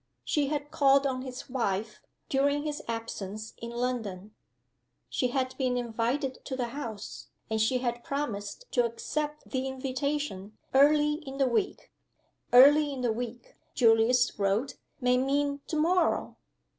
She had called on his wife, during his absence in London she had been inv ited to the house and she had promised to accept the invitation early in the week. "Early in the week," Julius wrote, "may mean to morrow.